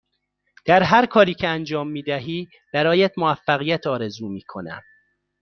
در هرکاری که انجام می دهی برایت موفقیت آرزو می کنم.